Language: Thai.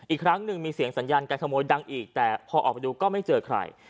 อีกครั้งหนึ่งมีเสียงสัญญาการขโมยดังอีกแต่พอออกไปดูก็ไม่เจอใคร